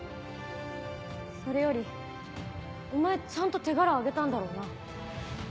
それよりお前ちゃんと手柄挙げたんだろうな？